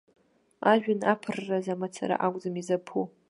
Ажәҩан аԥырраз мацара акәӡам изаԥу.